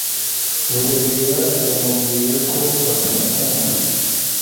Buregeya Yamubwiye ko atamukunda.